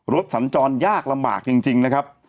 สัญจรยากลำบากจริงนะครับ